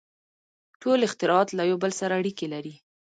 • ټول اختراعات له یو بل سره اړیکې لري.